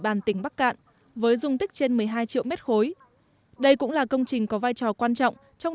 bàn tỉnh bắc cạn với dung tích trên một mươi hai triệu mét khối đây cũng là công trình có vai trò quan trọng trong